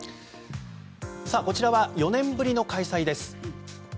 こちらは４年ぶりの開催です。